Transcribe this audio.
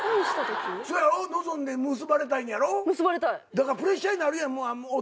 だからプレッシャーになるやん。